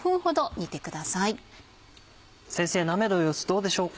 先生鍋の様子どうでしょうか。